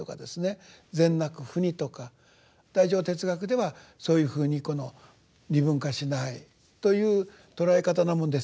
「善悪不二」とか大乗哲学ではそういうふうにこの二分化しないという捉え方なもんですから。